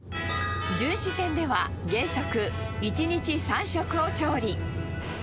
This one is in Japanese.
巡視船では原則、１日３食を調理。